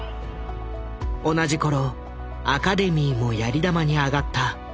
同じ頃アカデミーもやり玉に挙がった。